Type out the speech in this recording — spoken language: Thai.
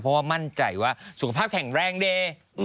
เพราะว่ามั่นใจว่าสุขภาพแข็งแรงดี